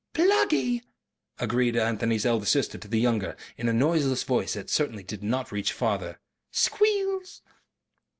"BLUGGY," agreed Anthony's elder sister to the younger, in a noiseless voice that certainly did not reach father. "SQUEALS!...."